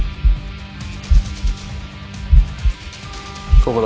ここだ